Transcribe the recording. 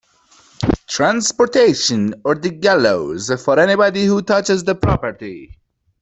Transportation or the gallows for anybody who touches the property!